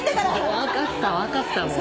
分かった分かったもう。